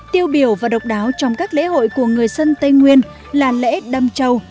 tiêu biểu và độc đáo trong các lễ hội của người dân tây nguyên là lễ đâm châu